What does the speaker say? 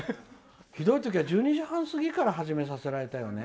ひどいときは１２時半過ぎから始めさせられたよね。